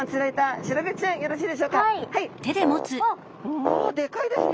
おでかいですね。